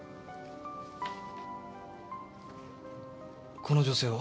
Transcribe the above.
この女性は？